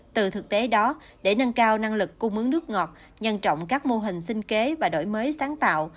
từ thực tế đó để nâng cao năng lực cung mướn nước ngọt nhân trọng các mô hình sinh kế và đổi mới sáng tạo